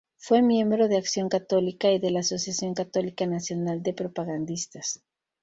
Fue miembro de Acción Católica y de la Asociación Católica Nacional de Propagandistas.